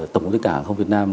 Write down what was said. tổng công ty cảng không việt nam